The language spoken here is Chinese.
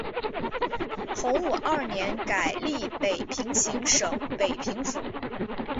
洪武二年改隶北平行省北平府。